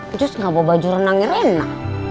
ncus gak bawa baju renangnya rina